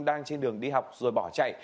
đang trên đường đi học rồi bỏ chạy